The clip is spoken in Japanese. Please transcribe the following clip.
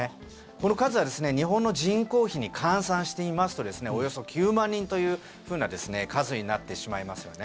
この数は日本の人口比に換算して言いますとおよそ９万人という数になってしまいますよね。